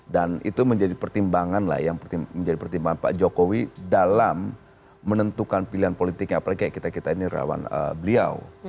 dan itu menjadi pertimbangan lah yang menjadi pertimbangan pak jokowi dalam menentukan pilihan politiknya apalagi kayak kita kita ini rawan beliau